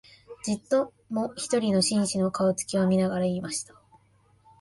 じっと、もひとりの紳士の、顔つきを見ながら言いました